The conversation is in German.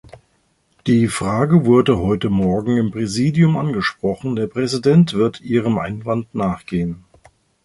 Die Frage wurde heute morgen im Präsidium angesprochen, der Präsident wird Ihrem Einwand nachgehen.